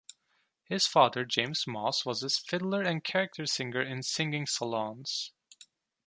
His father James Moss was a fiddler and character singer in singing saloons.